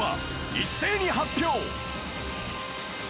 一斉に発表